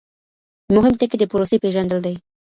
مهم ټکی د پروسې پیژندل دي.